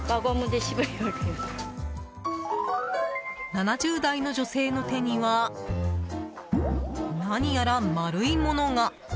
７０代の女性の手には何やら丸いものが。